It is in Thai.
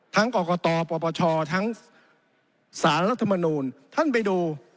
ทั้งกตปปชทั้งสรมท่านไปดู